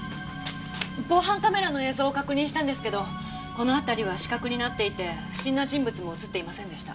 防犯カメラの映像を確認したんですけどこの辺りは死角になっていて不審な人物も映っていませんでした。